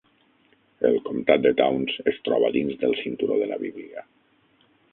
El comtat de Towns es troba dins del Cinturó de la Bíblia.